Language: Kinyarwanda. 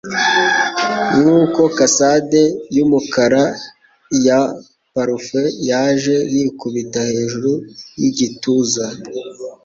Nkuko casade yumukara ya parufe yaje yikubita hejuru yigituza;